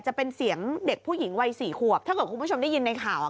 จะเป็นเสียงเด็กผู้หญิงวัยสี่ขวบถ้าเกิดคุณผู้ชมได้ยินในข่าว